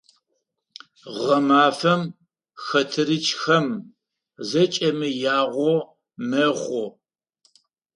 Гъэмафэм хэтэрыкӀхэм зэкӀэми ягъо мэхъу.